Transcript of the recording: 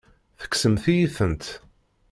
Tekksemt-iyi-tent.